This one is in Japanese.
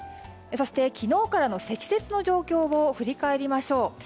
そして、昨日からの積雪の状況を振り返りましょう。